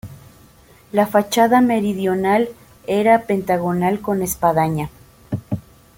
La fachada meridional era pentagonal con espadaña.